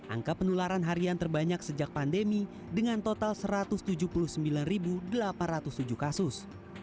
angka penularan harian terbanyak sejak pandemi dengan total satu ratus tujuh puluh sembilan delapan ratus tujuh kasus